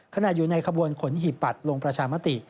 ขนาดอยู่ในขบวนขนหิบปัดลงประชามติ